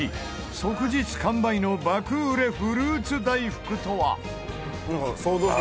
即日完売の爆売れフルーツ大福とは？